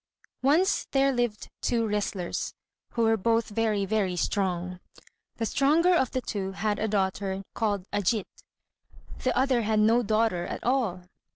Once there lived two wrestlers, who were both very very strong. The stronger of the two had a daughter called Ajít; the other had no daughter at all.